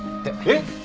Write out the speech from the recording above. えっ？